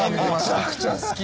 めちゃくちゃ好き。